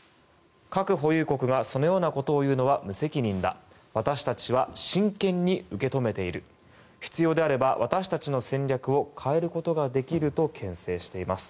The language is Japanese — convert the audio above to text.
核保有国がそのようなことを言うのは無責任だ私たちは真剣に受け止めている必要であれば私たちの戦略を変えることができるとけん制しています。